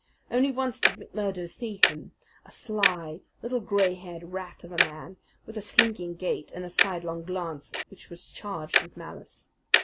Only once did McMurdo see him, a sly, little gray haired rat of a man, with a slinking gait and a sidelong glance which was charged with malice.